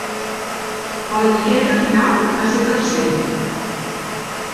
A la lligueta final va ser tercer.